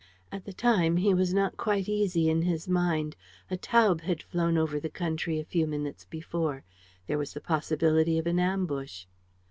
At the time, he was not quite easy in his mind. A Taube had flown over the country a few minutes before. There was the possibility of an ambush.